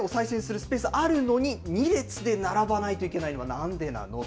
スペースあるのに、２列で並ばないといけないのはなんでなのと。